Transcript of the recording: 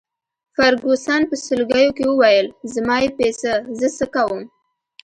فرګوسن په سلګیو کي وویل: زما يې په څه، زه څه کوم.